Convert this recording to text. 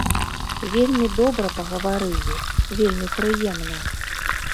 Вельмі добра пагаварылі, вельмі прыемна.